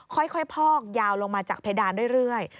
ค่อยพอกยาวลงมาจากเพดานเรื่อย